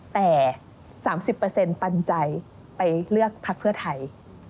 แต่๓๐ปันใจไปเลือกพักเพื่อไทย